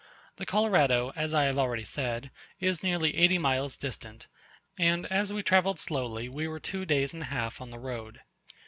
The Colorado, as I have already said, is nearly eighty miles distant: and as we travelled slowly, we were two days and a half on the road.